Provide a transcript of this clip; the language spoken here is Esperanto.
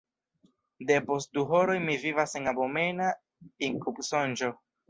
Depost du horoj mi vivas en abomena inkubsonĝo.